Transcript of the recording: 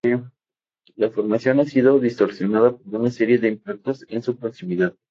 La formación ha sido distorsionada por una serie de impactos en su proximidad.